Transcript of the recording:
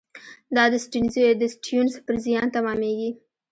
دا د سټیونز پر زیان تمامېږي.